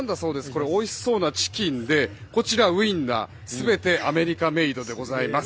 これ、おいしそうなチキンでこちらウインナー全てアメリカメイドでございます。